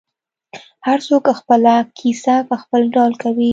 هر څوک خپله کیسه په خپل ډول کوي.